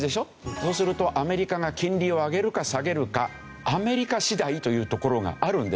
そうするとアメリカが金利を上げるか下げるかアメリカ次第というところがあるんですよ。